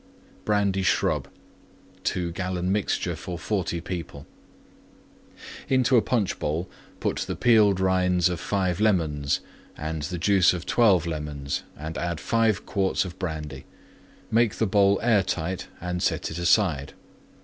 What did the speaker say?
BRANDY SHRUB (2 gallon mixture for 40 people) Into a Punch bowl put the Peeled Rinds of 5 Lemons and the Juice of 12 Lemons and add 5 quarts of Brandy. Make the bowl airtight and set it aside.